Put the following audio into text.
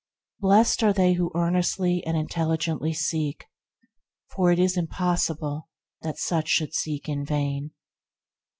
Blessed are they who earnestly and intelligently seek it, for it is impossible that such should seek in vain.